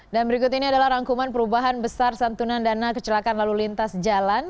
dan berikut ini adalah rangkuman perubahan besar santunan dana kecelakaan lalu lintas jalan